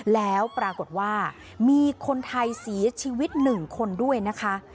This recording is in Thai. แล้วปรากฏว่ามีคนไทยเสียชีวิต๑คนด้วยนะคะ